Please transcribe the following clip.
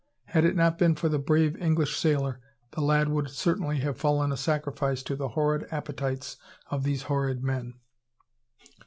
Had it not been for the brave English sailor, the lad would certainly have fallen a sacrifice to the horrid appetites of these horrid men.